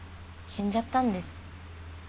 死んじゃったんです